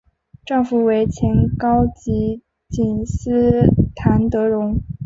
丈夫为前高级警司谭德荣。